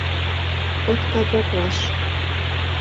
— Отказатлаш!